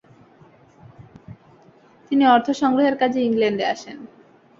তিনি অর্থসংগ্রহের কাজে ইংল্যান্ডে আসেন।